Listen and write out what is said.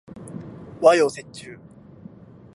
和洋折衷